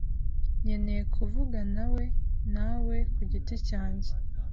Nkeneye kuvuganawe nawe ku giti cyanjye.